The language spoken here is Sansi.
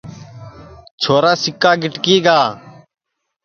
چھورا سِکا گِٹکِی گا